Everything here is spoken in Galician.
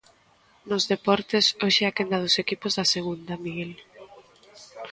Nos deportes, hoxe é a quenda dos equipos da Segunda, Miguel.